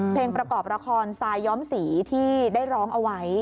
เพลงประกอบละครทรายย้อมสีที่ได้ร้องเอาไว้